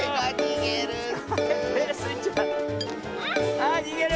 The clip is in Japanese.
あにげる！